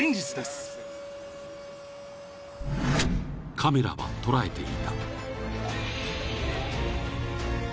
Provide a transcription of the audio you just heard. ［カメラは捉えていた］